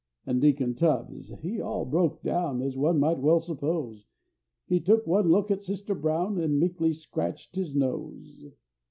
An' Deacon Tubbs he all broke down, As one might well suppose; He took one look at Sister Brown, And meekly scratched his nose.